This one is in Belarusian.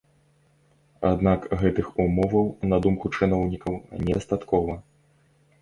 Аднак гэтых умоваў, на думку чыноўнікаў, недастаткова.